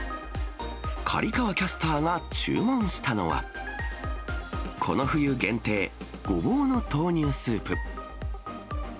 刈川キャスターが注文したのはこの冬限定、ごぼうの豆乳スープ。